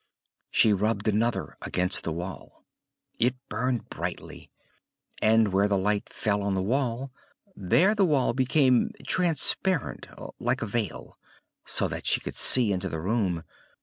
She rubbed another against the wall: it burned brightly, and where the light fell on the wall, there the wall became transparent like a veil, so that she could see into the room.